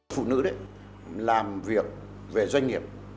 phụ nữ làm việc về doanh nghiệp